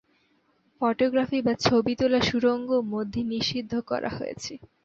Photography বা ছবি তোলা সুড়ঙ্গ মধ্যে নিষিদ্ধ করা হয়েছে।